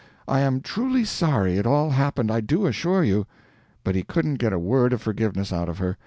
I am truly sorry it all happened, I do assure you." But he couldn't get a word of forgiveness out of her.